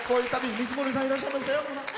水森さん、いらっしゃいましたよ。